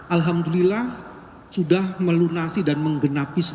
alhamdulillah sudah melunasi dan menggenapi sebelas dalil